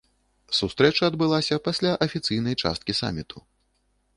Сустрэча адбылася пасля афіцыйнай часткі саміту.